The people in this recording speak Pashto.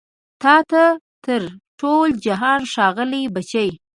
تا ته تر ټول جهان ښاغلي بچي